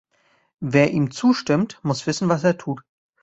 Wer ihm zustimmt, muss wissen, was er tut.